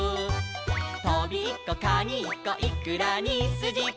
「トビッコカニッコイクラにスジコ」